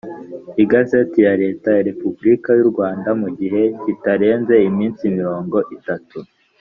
Igazeti ya leta ya repubulika y u rwanda mu gihe kitarenze iminsi mirongo itatu